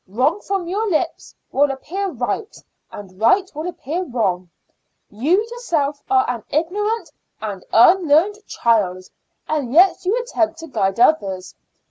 Wrong from your lips will appear right, and right will appear wrong. You yourself are an ignorant and unlearned child, and yet you attempt to guide others.